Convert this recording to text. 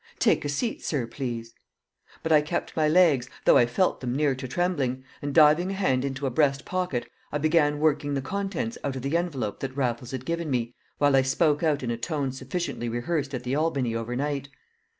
"Take a seat, sir, please." But I kept my legs, though I felt them near to trembling, and, diving a hand into a breast pocket, I began working the contents out of the envelope that Raffles had given me, while I spoke out in a tone sufficiently rehearsed at the Albany overnight.